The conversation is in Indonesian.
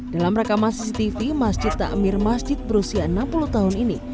dalam rekaman cctv masjid takmir masjid berusia enam puluh tahun ini